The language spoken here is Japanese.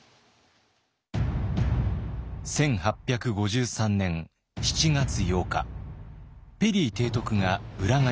１８５３年７月８日ペリー提督が浦賀に来航。